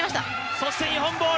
そして、日本ボール。